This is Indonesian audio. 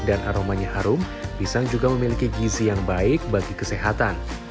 dan aromanya harum pisang juga memiliki gizi yang baik bagi kesehatan